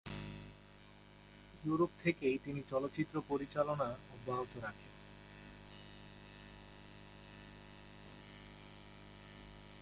Europe থেকেই তিনি চলচ্চিত্র পরিচালনা অব্যাহত রাখেন।